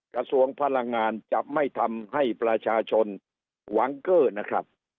กระทรวงพลังงานจะไม่ทำให้ประชาชนหวังเกอร์นะครับ